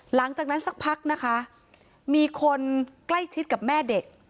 หลังจากนั้นสักพักนะคะมีคนใกล้ชิดกับแม่เด็ก